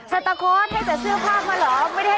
สัตตาโค้ดให้แต่เซอร์ไพรส์มาหรอ